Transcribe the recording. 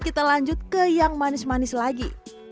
kita lanjut ke yang manis manis lagi